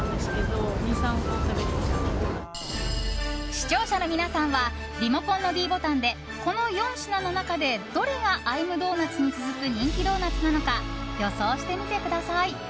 視聴者の皆さんはリモコンのｄボタンでこの４品の中でどれがアイムドーナツに続く人気ドーナツなのか予想してみてください。